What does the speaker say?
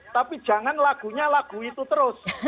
tapi jangan lagunya lagu itu terus